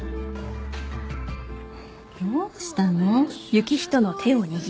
どうしたの？